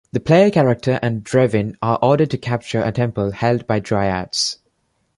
The player character and Drevin are ordered to capture a temple held by dryads.